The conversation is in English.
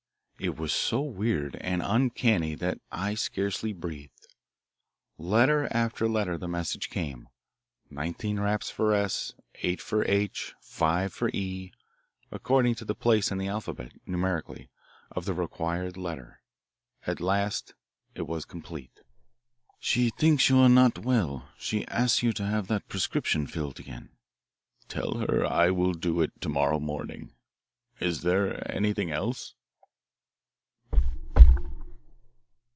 It was so weird and uncanny that I scarcely breathed. Letter after letter the message came, nineteen raps for "s," eight for "h," five for "e," according to the place in the alphabet, numerically, of the required letter. At last it was complete. "She thinks you are not well. She asks you to have that prescription filled again." "Tell her I will do it to morrow morning. Is there anything else?"